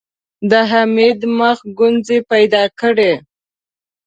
د حميد مخ ګونځې پيدا کړې.